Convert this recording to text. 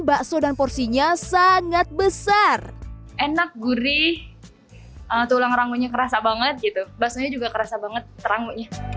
bakso dan porsinya sangat besar enak gurih tulang rangunya kerasa banget gitu